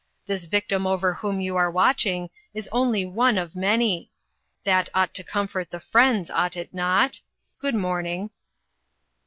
This victim over whom you are watching is only one of many. That ought to comfort the friends, ought it not? Good morning."